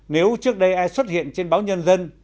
nếu trước đây ai xuất hiện trên báo nhân dân